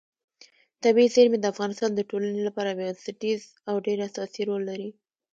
طبیعي زیرمې د افغانستان د ټولنې لپاره یو بنسټیز او ډېر اساسي رول لري.